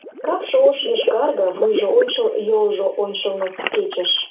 Капше ош-йошкарге, вуйжо ончыл йолжо ончылно кечыш.